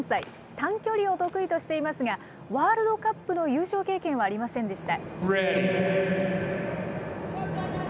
短距離を得意としていますが、ワールドカップの優勝経験はありませんでした。